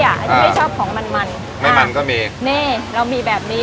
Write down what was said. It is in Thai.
อันนี้ไม่ชอบของมันมันไม่มันก็มีนี่เรามีแบบนี้